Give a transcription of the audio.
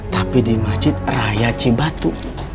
tapi di masjid raya cibatu